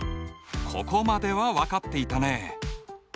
ここまでは分かっていたね。